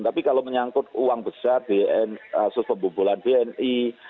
tapi kalau menyangkut uang besar sos pembobolan bni